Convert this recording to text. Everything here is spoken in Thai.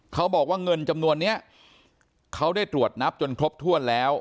เขาบอกว่าเงินจำนวนนี้เขาได้ตรวจนับจนครบถ้วนแล้ว